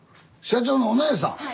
社長のお姉さん⁉・はい。